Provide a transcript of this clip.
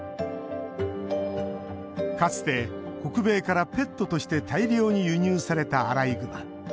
かつて北米からペットとして大量に輸入されたアライグマ。